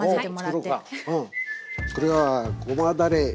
これはごまだれ。